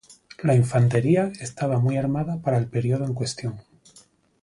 La infantería estaba muy armada para el periodo en cuestión.